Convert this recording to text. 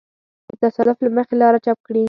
د تصادف له مخې لاره چپ کړي.